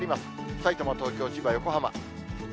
さいたま、東京、千葉、横浜。